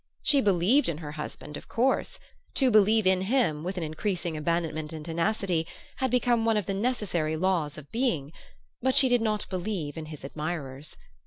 She believed in her husband, of course; to believe in him, with an increasing abandonment and tenacity, had become one of the necessary laws of being; but she did not believe in his admirers.